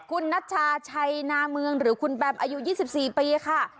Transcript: คุณนัชชาชัยนาเมืองหรือคุณแบมอายุ๒๔ปีค่ะ